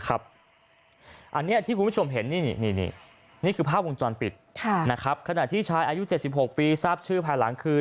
อันนี้ที่คุณผู้ชมเห็นนี่คือภาพวงจรปิดขณะที่ชายอายุ๗๖ปีทราบชื่อภายหลังคือ